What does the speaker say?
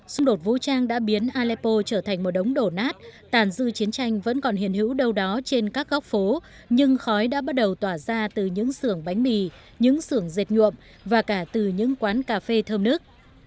xung đột vũ trang đã biến aleppo trở thành một đống đổ nát tàn dư chiến tranh vẫn còn hiện hữu đâu đó trên các góc phố nhưng khói đã bắt đầu tỏa ra từ những sưởng bánh mì những sưởng dệt nhuộm và cả từ những quán cà phê thơm nước